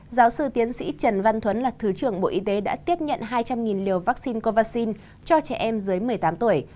giáo sư tiến sĩ trần văn thuấn là thứ trưởng bộ y tế đã tiếp nhận hai trăm linh liều vaccine covacin cho trẻ em dưới một mươi tám tuổi